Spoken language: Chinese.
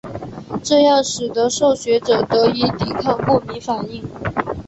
这样使得受血者得以抵抗过敏反应。